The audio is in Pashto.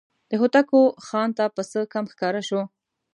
د هوتکو خان ته پسه کم ښکاره شو.